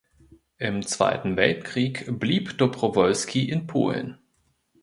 Im Zweiten Weltkrieg blieb Dobrowolski in Polen.